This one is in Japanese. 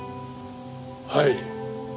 はい。